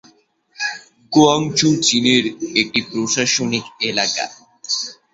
Guangzhou চীনের একটি প্রশাসনিক এলাকা।